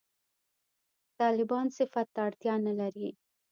«طالبان» صفت ته اړتیا نه لري.